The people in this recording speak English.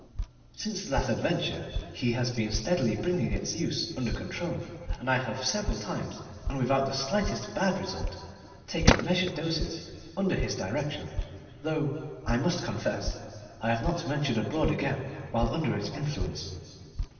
Since that adventure he has been steadily bringing its use under control, and I have several times, and without the slightest bad result, taken measured doses under his direction; though I must confess I have not yet ventured abroad again while under its influence.